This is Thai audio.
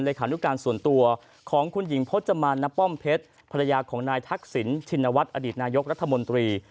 ขานุการส่วนตัวของคุณหญิงพจมานณป้อมเพชรภรรยาของนายทักษิณชินวัฒน์อดีตนายกรัฐมนตรี